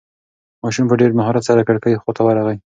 ماشوم په ډېر مهارت سره د کړکۍ خواته ورغی.